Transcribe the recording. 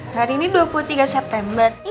hari ini dua puluh tiga september